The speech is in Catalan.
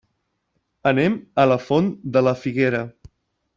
Anem a la Font de la Figuera.